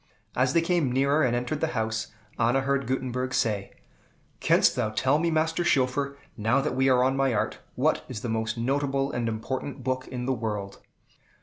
As they came nearer and entered the house, Anna heard Gutenberg say, "Canst thou tell me, Master Schoeffer, now that we are on my art, what is the most notable and important book in the world?"